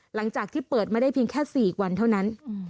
หลังจากที่เปิดมาได้เพียงแค่๔วันเท่านั้น